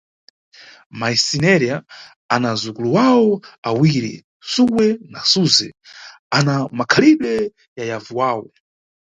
Mayi Sineriya ana azukulu wawo awiri, Suwe na Suze ana makhalidwe ya yavu wawo.